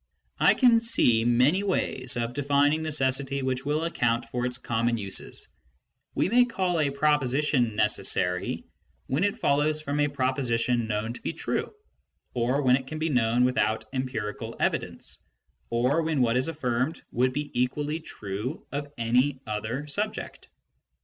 I can see many ways of defining necessity which will ac count for its common uses : we may call a proposition necessary when it follows from a proposition known to be true, or when it can be known without empirical evidence, or when what is affirmed would be equally true of any other subject.